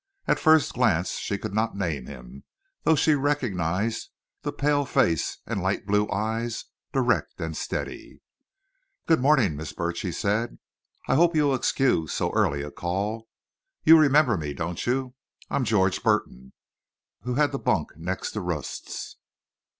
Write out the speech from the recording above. At first glance she could not name him, though she recognized the pale face and light blue eyes, direct and steady. "Good morning, Miss Burch," he said. "I hope you'll excuse so early a call. You remember me, don't you? I'm George Burton, who had the bunk next to Rust's."